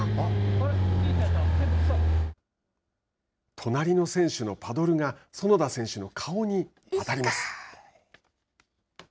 隣の選手のパドルが園田選手の顔に当たります。